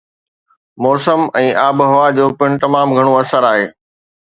موسم ۽ آبهوا جو پڻ تمام گهڻو اثر آهي